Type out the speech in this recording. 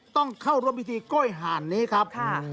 ต้องเข้าร่วมพิธีก้อยห่านนี้ครับ